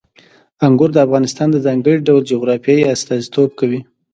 انګور د افغانستان د ځانګړي ډول جغرافیې استازیتوب کوي.